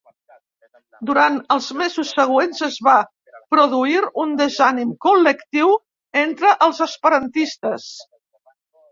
Durant els mesos següents es va produir un desànim col·lectiu entre els esperantistes.